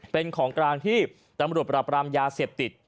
เป็นของกลางที่ตำรวจปราบรามยาเสพติด